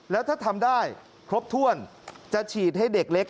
แล้วถ้าทำได้ครบถ้วนจะฉีดให้เด็กเล็ก